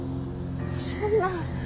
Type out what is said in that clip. そんな！